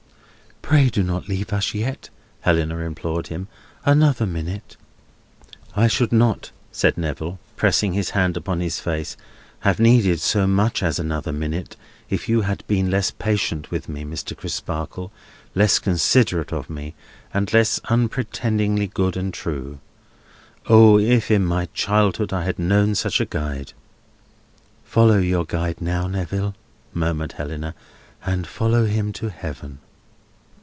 "Pray do not leave us yet," Helena implored him. "Another minute." "I should not," said Neville, pressing his hand upon his face, "have needed so much as another minute, if you had been less patient with me, Mr. Crisparkle, less considerate of me, and less unpretendingly good and true. O, if in my childhood I had known such a guide!" "Follow your guide now, Neville," murmured Helena, "and follow him to Heaven!"